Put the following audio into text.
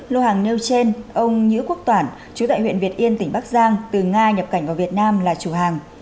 lô hàng nêu trên ông nhữ quốc toản chú tại huyện việt yên tỉnh bắc giang từ nga nhập cảnh vào việt nam là chủ hàng